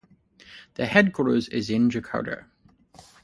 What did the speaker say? The headquarters is in Jakarta.